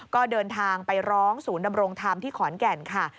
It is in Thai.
ก็เดินทางไปร้องศูนย์ดำรงธรรมที่ขอนแก่นค่ะ